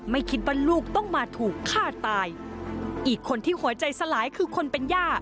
ไม่คิดว่าลูกต้องมาถูกฆ่าตายอีกคนที่หัวใจสลายคือคนเป็นย่า